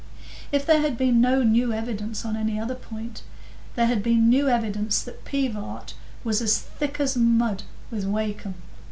If there had been no new evidence on any other point, there had been new evidence that Pivart was as "thick as mud" with Wakem.